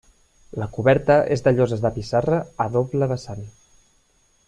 La coberta és de lloses de pissarra a doble vessant.